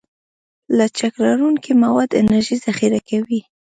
لچک لرونکي مواد انرژي ذخیره کوي.